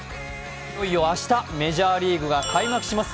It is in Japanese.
いよいよ明日、メジャーリーグが開幕します。